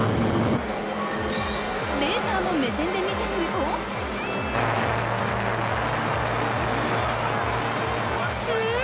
レーサーの目線で見てみるとん！